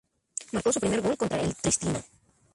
Marcó su primer gol contra el Triestina.